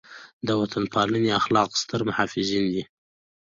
د وطن پالنې اخلاق ستر محافظین وو.